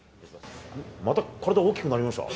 また体大きくなりました？